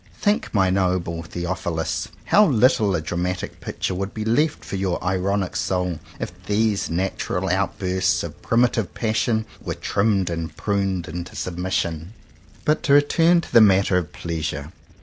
Think, my noble Theophilus, how little of a dramatic picture would be left for your ironic soul if these natural outbursts of primitive passion were trimmed and pruned into submission ^ But to return to the matter of Pleasure.